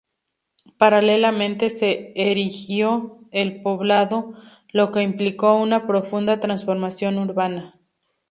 Paralelamente se erigió el Poblado, lo que implicó una profunda transformación urbana.